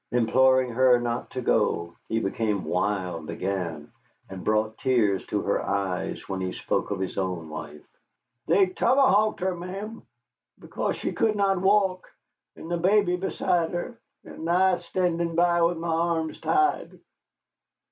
Imploring her not to go, he became wild again, and brought tears to her eyes when he spoke of his own wife. "They tomahawked her, ma'am, because she could not walk, and the baby beside her, and I standing by with my arms tied."